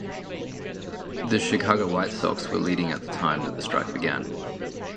The Chicago White Sox were leading at the time that the strike began.